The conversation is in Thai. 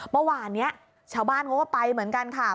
เมื่อวานนี้ชาวบ้านเขาก็ไปเหมือนกันค่ะ